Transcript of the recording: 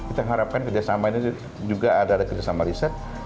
kita mengharapkan kerjasama ini juga adalah kerjasama riset